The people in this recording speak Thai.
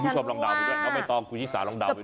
ต้อนต้อนฟี่วิสาลลองดาวด้วย